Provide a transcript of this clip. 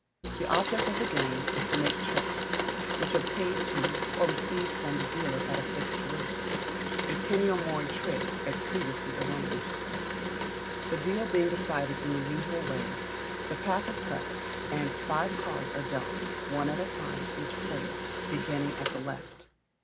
The object of the game is to make tricks, which are paid to or received from the dealer at a fixed rate, a penny or more a trick, as previously arranged. The deal being decided in the usual way, the pack is cut and five cards are dealt one at a time to each player, beginning at the left.